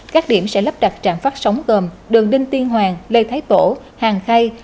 các điểm sẽ lắp đặt trạm phát sóng gồm đường đinh tiên hoàng lê thái tổ hàng khay